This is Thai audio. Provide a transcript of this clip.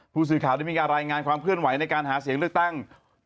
ผู้สื่อข่าวได้มีการรายงานความเคลื่อนไหวในการหาเสียงเลือกตั้ง